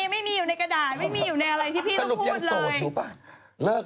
ไม่มีอยู่ในอะไรที่พี่พูดเลย